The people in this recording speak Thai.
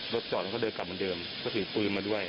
รถจอดเขาเดินกลับมาเดิมก็ถือปืนมาด้วย